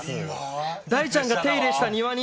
大ちゃんが手入れした庭に。